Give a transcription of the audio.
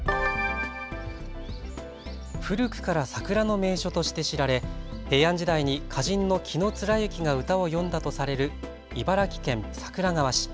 古くから桜の名所として知られ平安時代に歌人の紀貫之が歌を詠んだとされる茨城県桜川市。